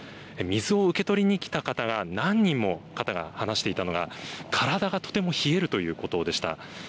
水を受け取りに来た方が何人も話していたのが体がとても冷えるということでした。